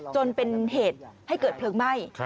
จนเป็นเหตุให้เกิดเพลิงไหม้